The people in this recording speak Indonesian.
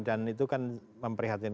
dan itu kan memprihatinkan